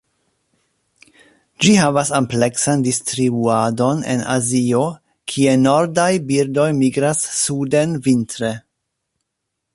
Ĝi havas ampleksan distribuadon en Azio kie nordaj birdoj migras suden vintre.